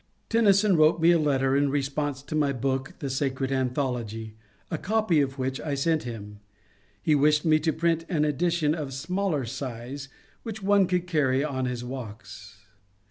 Tennyson wrote me a letter in response to my book, *^ The Sacred Anthology," a copy of which I sent him. He wished me to print an edition of smaller size, which one could carry on his walks.